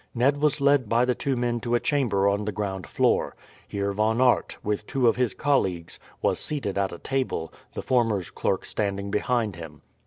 Ned was led by the two men to a chamber on the ground floor. Here Von Aert, with two of his colleagues, was seated at a table, the former's clerk standing behind him.